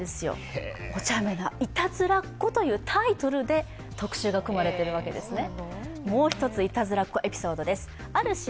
「お茶目な、いたずらっこ」というタイトルで特集が組まれているわけですね。